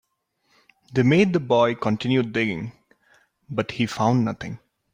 They made the boy continue digging, but he found nothing.